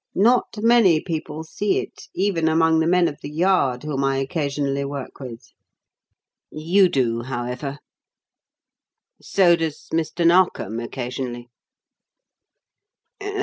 Not many people see it, even among the men of The Yard whom I occasionally work with. You do, however; so does Mr. Narkom, occasionally.